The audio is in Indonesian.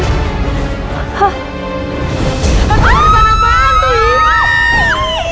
itu warisan apaan tuh